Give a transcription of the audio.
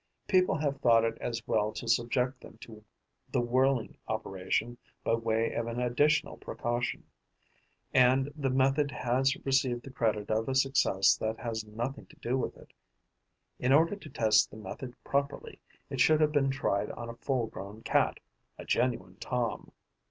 People have thought it as well to subject them to the whirling operation by way of an additional precaution; and the method has received the credit of a success that has nothing to do with it. In order to test the method properly, it should have been tried on a full grown Cat, a genuine Tom.